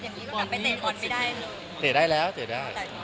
สู้เมลิใต่ออทได้หรือ